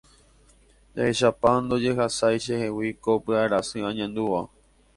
Jahechápa ndojehasái chehegui ko py'arasy añandúva.